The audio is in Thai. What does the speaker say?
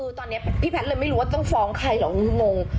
คือตอนนี้พี่แพทย์เลยไม่รู้ว่าต้องฟ้องใครหรอกงง